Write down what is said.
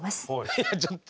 いやちょっと。